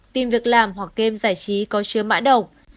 tìm việc làm hoặc game giải trí có chứa mãi độc